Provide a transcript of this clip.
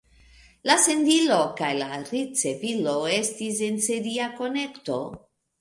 La sendilo kaj la ricevilo estis en seria konekto.